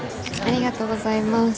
ありがとうございます。